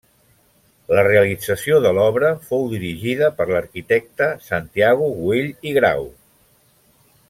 La realització de l'obra fou dirigida per l'arquitecte Santiago Güell i Grau.